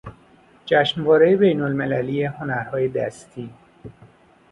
جشنوارهی بینالمللی هنرهای دستی